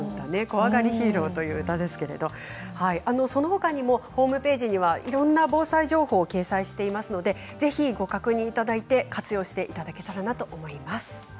「こわがりヒーロー」という歌ですけれども、そのほかにもホームページにはいろいろな防災情報を掲載していますのでぜひ、ご確認いただいて活用していただけたらと思います。